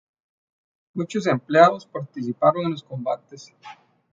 Muchos empleados participaron en los combates.